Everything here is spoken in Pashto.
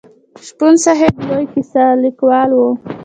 شپون صاحب لوی کیسه لیکوال و.